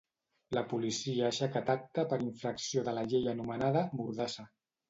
La policia ha aixecat acta per infracció de la llei anomenada “mordassa”.